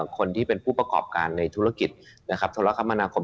คนที่เป็นผู้ประกอบการในธุรกิจนะครับโทรคมนาคม